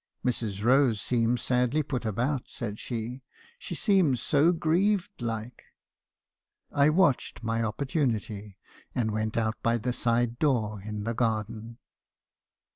" 'Mrs. Rose seems sadly put about,' said she, 'she seems so grieved like.' "I watched my opportunity, and went out by the side door in the garden."